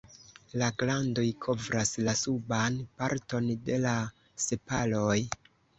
La glandoj kovras la suban parton de la sepaloj.